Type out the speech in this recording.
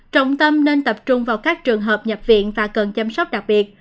trọng tâm nên tập trung vào các trường hợp nhập viện và cần chăm sóc đặc biệt